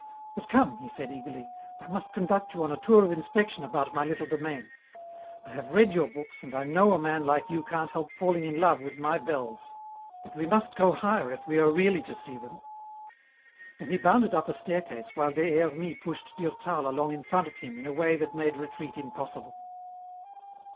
But come," he said eagerly, "I must conduct you on a tour of inspection about my little domain. I have read your books and I know a man like you can't help falling in love with my bells. But we must go higher if we are really to see them." And he bounded up a staircase, while Des Hermies pushed Durtal along in front of him in a way that made retreat impossible.